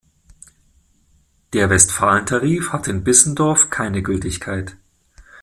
Der Westfalentarif hat in Bissendorf keine Gültigkeit.